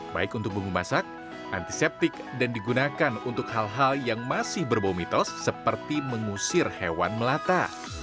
baik untuk bumbu masak antiseptik dan digunakan untuk hal hal yang masih berbau mitos seperti mengusir hewan melata